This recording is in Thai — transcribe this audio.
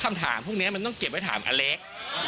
คำถามพวกนี้มันต้องเก็บไว้ถามอเล็ก